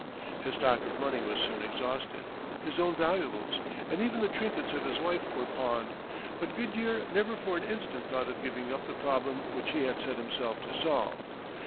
His stock of money was soon exhausted, his own valuables, and even the trinkets of his wife were pawned, but Goodyear never for an instant thought of giving up the problem which he had set himself to solve.